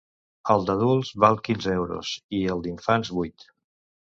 El d’adults val quinze euros i el d’infants, vuit.